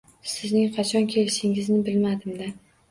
Sizning qachon kelishingizni bilmadim-da